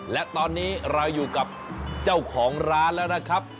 และตอนนี้เราอยู่กับเจ้าของร้านแล้วนะครับ